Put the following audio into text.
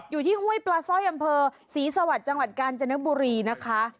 อยู่ที่ห้วยปลาซ่อยอำเภอศรีสวรรค์จังหวัดกาลจนกบุรีนะคะ